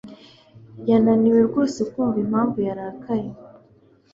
Yananiwe rwose kumva impamvu yarakaye.